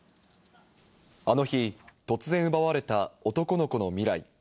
この日、突然奪われた男の子の未来。